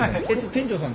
店長さん？